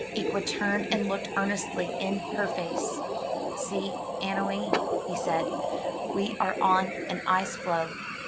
Ikwa turned, and looked earnestly in her face. *'See, Annowee,'* he said, *Ve are on an ice floe.